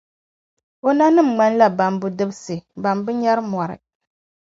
O nanim’ ŋmanila bambu’ dibisi bɛn bi nyari mɔri.